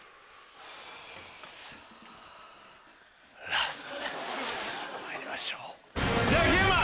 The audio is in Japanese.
ラストですまいりましょう。